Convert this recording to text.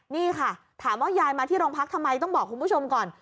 นี่ค่ะถามว่ายายมาที่โรงพักทำไมต้องบอกคุณผู้ชมก่อน